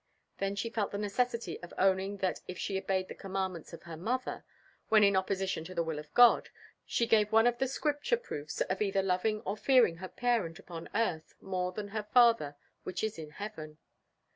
'" Then she felt the necessity of owning that if she obeyed the commands of her mother, when in opposition to the will of her God, she gave one of the Scripture proofs of either loving or fearing her parent upon earth more than her Father which is in heaven.